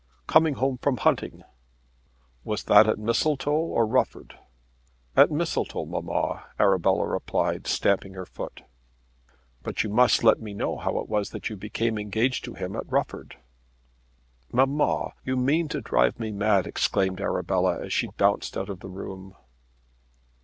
"Coming home from hunting." "Was that at Mistletoe or Rufford?" "At Mistletoe, mamma," replied Arabella, stamping her foot. "But you must let me know how it was that you became engaged to him at Rufford." "Mamma, you mean to drive me mad," exclaimed Arabella as she bounced out of the room.